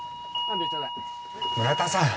村田さん。